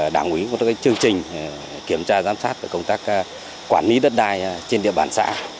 đảng ủy cũng có chương trình kiểm tra giám sát công tác quản lý đất đai trên địa bàn xã